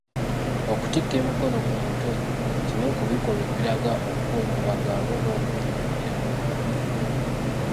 Okutikka emikono ku mutwe kimu ku bikolwa ebiraga okukungubaga wamu n'okwennyamira mu bantu.